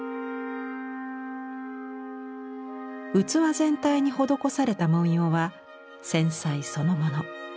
器全体に施された文様は繊細そのもの。